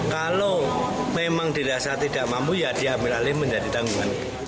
kalau memang dirasa tidak mampu ya diambil alih menjadi tanggungan